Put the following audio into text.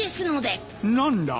何だ？